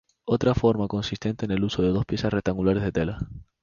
Otra forma consiste en el uso de dos piezas rectangulares de tela.